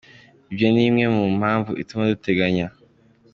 Ibyo ni imwe mu mpamvu ituma dutegenya.